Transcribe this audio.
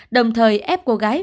đồng thời ép cô gái